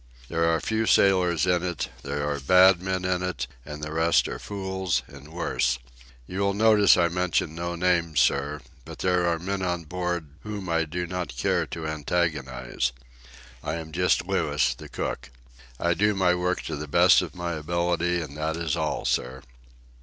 There are few sailors in it; there are bad men in it; and the rest are fools and worse. You will notice I mention no names, sir; but there are men on board whom I do not care to antagonize. I am just Louis, the cook. I do my work to the best of my ability, and that is all, sir."